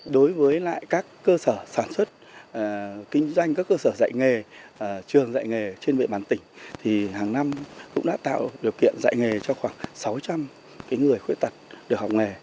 đối với các cơ sở sản xuất kinh doanh các cơ sở dạy nghề trường dạy nghề trên địa bàn tỉnh thì hàng năm cũng đã tạo điều kiện dạy nghề cho khoảng sáu trăm linh người khuyết tật được học nghề